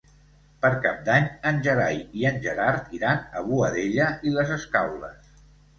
Per Cap d'Any en Gerai i en Gerard iran a Boadella i les Escaules.